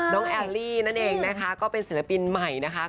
แอลลี่นั่นเองนะคะก็เป็นศิลปินใหม่นะคะ